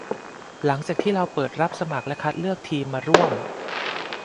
หลังจากที่เราเปิดรับสมัครและคัดเลือกทีมมาร่วม